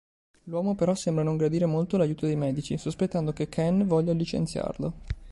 L'uomo però sembra non gradire molto l'aiuto dei medici, sospettando che Ken voglia licenziarlo.